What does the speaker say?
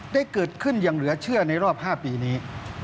ได้เกิดขึ้นอย่างเหลือเชื่อในรอบ๕ปีนี้